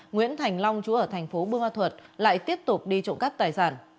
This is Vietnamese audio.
nguyễn thành long chú ở thành phố bơ ma thuật lại tiếp tục đi trộm cắp tài sản